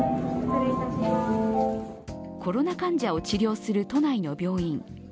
コロナ患者を治療する都内の病院。